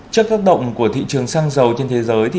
trước tác động của thị trường xăng dầu trên thế giới